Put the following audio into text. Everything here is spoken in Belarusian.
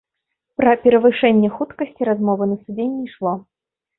Пра перавышэнне хуткасці размовы на судзе не ішло.